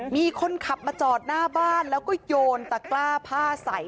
มีคนขับมาจอดหน้าบ้านแล้วก็โยนตะกล้าผ้าใส่